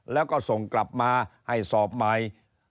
แล้วก็ส่งกลับมาให้สอบใหม่